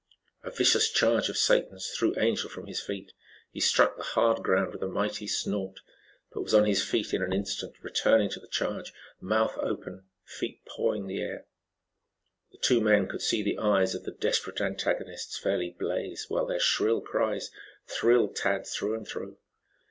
A vicious charge of Satan's, threw the Angel from his feet. He struck the hard ground with a mighty snort, but was on his feet in an instant, returning to the charge, mouth open, feet pawing the air. The two men could see the eyes of the desperate antagonists fairly blaze, while their shrill cries thrilled Tad through and through.